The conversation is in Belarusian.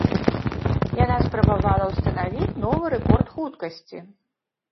Яна спрабавала ўстанавіць новы рэкорд хуткасці.